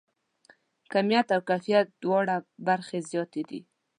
کیمیت او کیفیت دواړه برخې زیاتې دي.